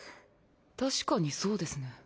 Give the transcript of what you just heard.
確かにそうですね。